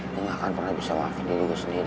gue gak akan pernah bisa maafin diri gue sendiri